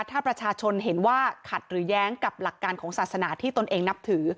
ถ้าประชาชนเห็นว่าขัดหรือแย้งกับหลักการของศาสนาที่ตนเองนับถือ